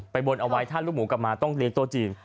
บนเอาไว้ถ้าลูกหมูกลับมาต้องเลี้ยโต๊ะจีน